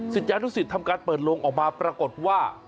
ศิษยานุศิษย์ทำการเปิดโรงออกมาปรากฏว่า